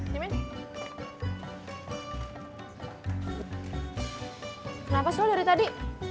kenapa soal dari tadi